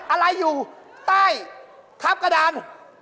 อะไรอยู่ใต้ทำรอบกระดาน